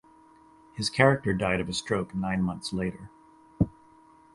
His character died of a stroke nine months later.